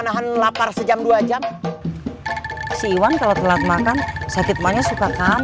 nahan lapar sejam dua jam si iwan kalau telat makan sakit mannya suka kandung